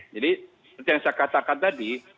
jadi seperti yang saya katakan tadi